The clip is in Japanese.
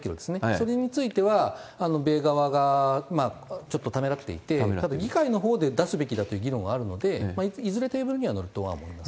それについては、米側がちょっとためらっていて、ただ、議会のほうで出すべきだという議論はあるので、それにはいずれテーブルには乗るとは思います。